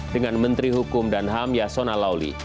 dengan menteri hukum dan ham yasona lawli